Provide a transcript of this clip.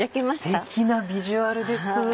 ステキなビジュアルです。